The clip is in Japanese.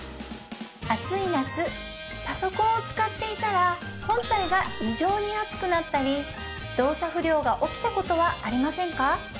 暑い夏パソコンを使っていたら本体が異常に熱くなったり動作不良が起きたことはありませんか？